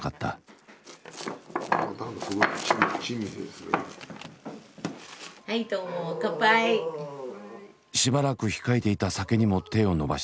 しばらく控えていた酒にも手を伸ばした。